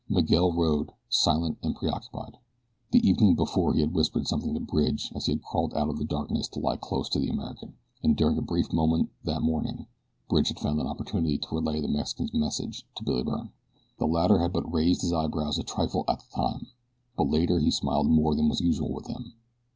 Miguel rode, silent and preoccupied. The evening before he had whispered something to Bridge as he had crawled out of the darkness to lie close to the American, and during a brief moment that morning Bridge had found an opportunity to relay the Mexican's message to Billy Byrne. The latter had but raised his eyebrows a trifle at the time, but later he smiled more than was usual with him.